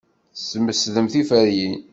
Tesmesdem tiferyin.